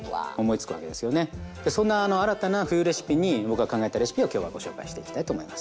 そんな新たな冬レシピに僕が考えたレシピを今日はご紹介していきたいと思います。